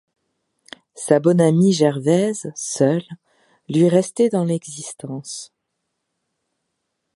Sa bonne amie Gervaise seule, lui restait dans l'existence.